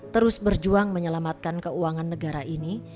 terus berjuang menyelamatkan keuangan negara ini